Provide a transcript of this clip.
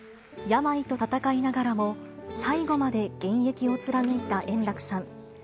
病と闘いながらも、最後まで現役を貫いた円楽さん。